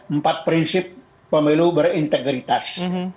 empat prinsip pemilu berintegritas